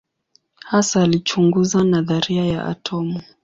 Hasa alichunguza nadharia ya atomu.